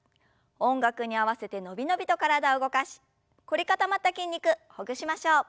音楽に合わせて伸び伸びと体を動かし凝り固まった筋肉ほぐしましょう。